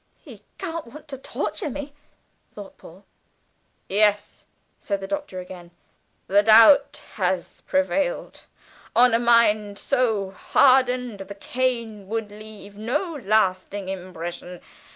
"He can't want to torture me," thought Paul. "Yes," said the Doctor again, "the doubt has prevailed. On a mind so hardened the cane would leave no lasting impression.